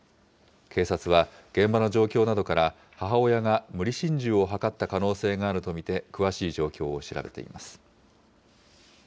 警察は現場の状況などから、母親が無理心中を図った可能性があると見て、詳しい状況を調べています。